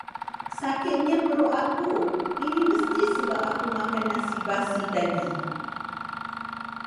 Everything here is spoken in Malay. Sakitnya perut aku, ini mesti sebab aku makan nasi basi tadi.